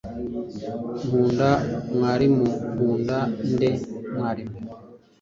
Nkunda mwarimu. Nkunda nde? Mwarimu